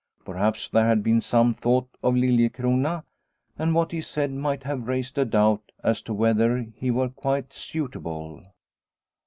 Perhaps there had been some thought of Liliecrona, and what he said might have raised a doubt as to whether he were quite suitable.